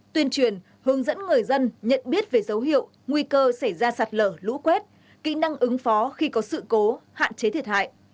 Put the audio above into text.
tuyên truyền hướng dẫn người dân nhận biết về dấu hiệu nguy cơ xảy ra sạt lở lũ quét kỹ năng ứng phó khi có sự cố hạn chế thiệt hại